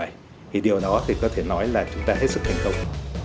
thì điều đó thì có thể nói là chúng ta hết sức thành công